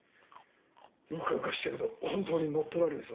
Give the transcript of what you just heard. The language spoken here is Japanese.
うかうかしてると本当に乗っ取られるぞ。